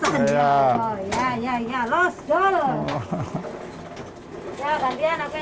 ini gantian saya yang genjot berat apa